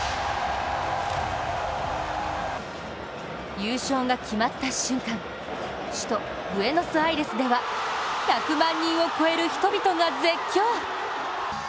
優勝が決まった瞬間、首都ブエノスアイレスでは１００万人を超える人々が絶叫。